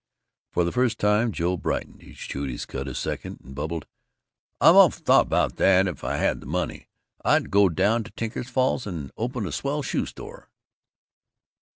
For the first time Joe brightened. He chewed his cud a second, and bubbled, "I've often thought of that! If I had the money, I'd go down to Tinker's Falls and open a swell shoe store."